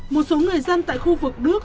một số người dân tại khu vực đức